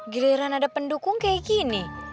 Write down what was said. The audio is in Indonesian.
giliran ada pendukung kayak gini